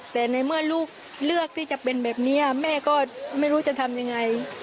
แต่ในเมื่อลูกเลือกที่จะเป็นแบบนี้แม่ก็ไม่รู้จะทำยังไง